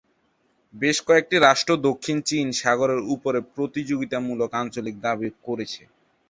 বেশ কয়েকটি রাষ্ট্র দক্ষিণ চীন সাগরের উপর প্রতিযোগিতামূলক আঞ্চলিক দাবি করেছে।